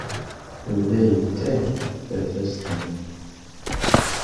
Yella yetteg tasestant.